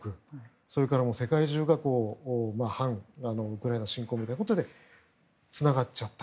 それから世界中が反ウクライナ侵攻みたいなことでつながっちゃった。